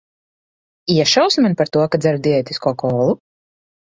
Iešausi man par to, ka dzeru diētisko kolu?